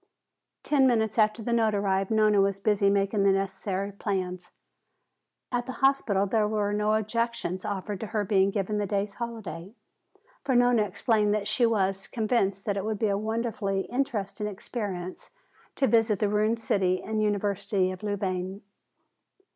Ten minutes after the note arrived, Nona was busy making the necessary plans. At the hospital there were no objections offered to her being given the day's holiday. For Nona explained that she was convinced that it would be a wonderfully interesting experience to visit the ruined city and University of Louvain.